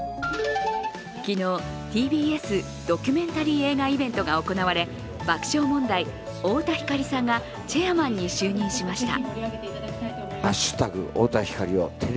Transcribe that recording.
昨日ＴＢＳドキュメンタリー映画イベントが行われ爆笑問題・太田光さんがチェアマンに就任しました。